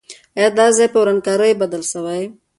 آیا دا ځای په ورانکاریو بدل سوی؟